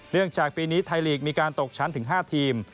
จากปีนี้ไทยลีกมีการตกชั้นถึง๕ทีม